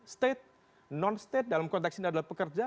state non state dalam konteks ini adalah pekerja